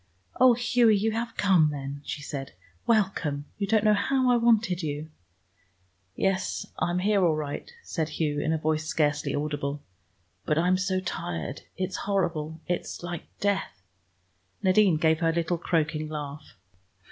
"Oh, Hughie, you have come then," she said. "Welcome; you don't know how I wanted you!" "Yes, I'm here all right," said Hugh in a voice scarcely audible. "But I'm so tired. It's horrible; it's like death!" Nadine gave her little croaking laugh.